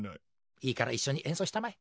いいから一緒にえんそうしたまえ。